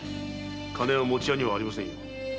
金はもち屋にはありませんよ。